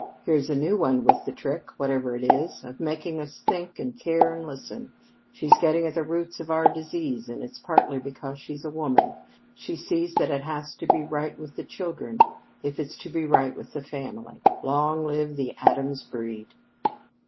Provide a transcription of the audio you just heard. "Here's a new one with the trick whatever it is of making us think and care and listen. She's getting at the roots of our disease, and it's partly because she's a woman. She sees that it has to be right with the children if it's to be right with the family. Long live the Addams breed!"